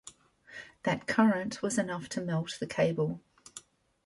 That current was enough to melt the cable.